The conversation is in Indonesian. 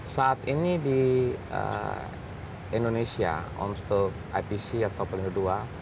saat ini di indonesia untuk ipc atau penudua